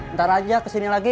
ntar aja kesini lagi